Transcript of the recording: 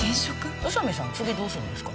宇佐美さんは次どうするんですか？